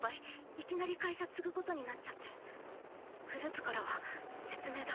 いきなり会社継ぐことになっちゃってグループからは「説明だ。